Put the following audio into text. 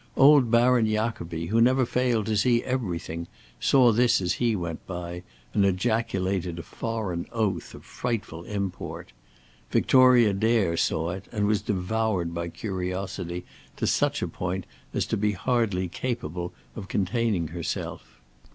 Old Baron Jacobi, who never failed to see everything, saw this as he went by, and ejaculated a foreign oath of frightful import. Victoria Dare saw it and was devoured by curiosity to such a point as to be hardly capable of containing herself.